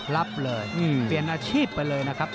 รับเลยเปลี่ยนอาชีพไปเลยนะครับ